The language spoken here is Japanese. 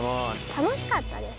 楽しかったです。